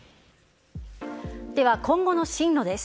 では、今後の進路です。